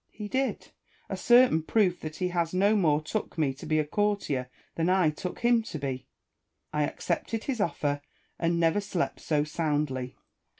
He did ; a certain proof that he no more took me to be a courtier than I took him to be. I accepted his offer, and never slept so soundly.